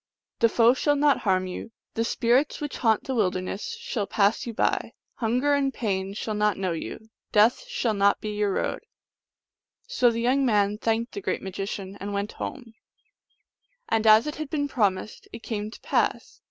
The foe shall not harm you ; the spirits which haunt the wilderness shall pass you by ; hunger and pain shall not know you ; death shall not be in your road." So the young man thanked the great magician, and went home ; and as it had been promised it came to pass.